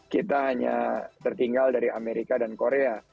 kita hanya tertinggal dari amerika dan korea